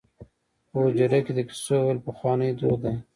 په حجره کې د کیسو ویل پخوانی دود دی.